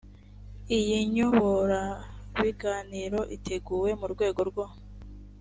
iyi nyoborabiganiro iteguwe mu rwego rwo